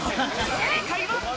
正解は。